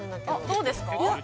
◆そうですか。